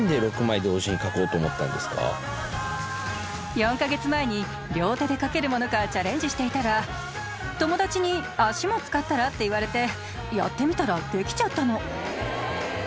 ４カ月前に両手で描けるものかチャレンジしていたら友達に「足も使ったら？」って言われてやってみたらできちゃったの。